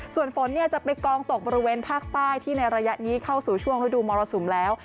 ส่วนฝนจะไปกองตกบริเวณภาคใต้ที่ในระยะนี้เข้าสู่ช่วงฤดูมรสุมแล้ว